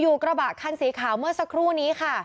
กระบะคันสีขาวเมื่อสักครู่นี้ค่ะ